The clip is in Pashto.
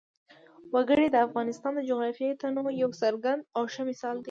وګړي د افغانستان د جغرافیوي تنوع یو څرګند او ښه مثال دی.